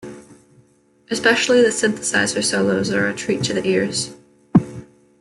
Especially the synthesizer solos are a treat to the ears.